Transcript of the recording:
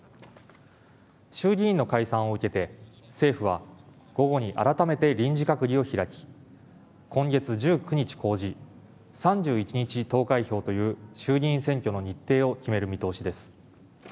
衆議院の解散を受けて政府は午後に改めて臨時閣議を開き今月１９日公示、３１日投開票という衆議院選挙の日程を決める見通しです。